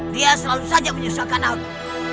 dia selalu saja menyusahkan aku